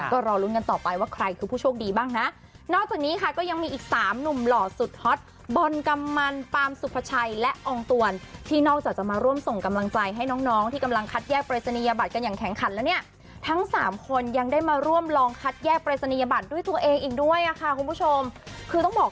ก็รอลุ้นกันต่อไปว่าใครคือผู้โชคดีบ้างนะนอกจากนี้ค่ะก็ยังมีอีกสามหนุ่มหล่อสุดฮอตบอลกำมันปามสุภาชัยและอองตวนที่นอกจากจะมาร่วมส่งกำลังใจให้น้องน้องที่กำลังคัดแยกปรายศนียบัตรกันอย่างแข็งขันแล้วเนี่ยทั้งสามคนยังได้มาร่วมลองคัดแยกปรายศนียบัตรด้วยตัวเองอีกด้วยอ่ะค่ะคุณผู้ชมคือต้องบอก